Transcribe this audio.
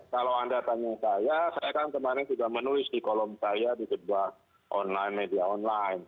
kalau anda tanya saya saya kan kemarin sudah menulis di kolom saya di sebuah media online